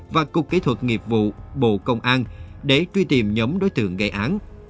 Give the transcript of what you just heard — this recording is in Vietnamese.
và cục kỹ thuật nghiệp vụ bộ công an để truy tìm nhóm đối tượng gây án